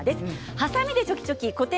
はさみでチョキチョキ古典